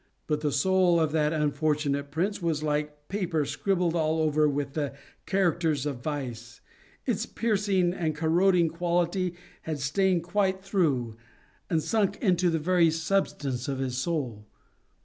But the soul of that unfortunate prince was like paper scribbled all over with the characters of vice ; its piercing and corroding quality had stained quite through, and sunk into the very substance of his soul.